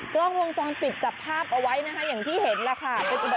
กล้องวงจรปิดจับภาพเอาไว้นะคะอย่างที่เห็นล่ะค่ะ